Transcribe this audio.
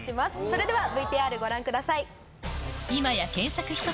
それではＶＴＲご覧ください。